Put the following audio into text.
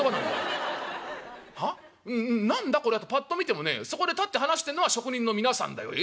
「何だこれはとぱっと見てもねそこで立って話してんのは職人の皆さんだよえ？